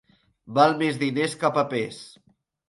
Val més diners que papers.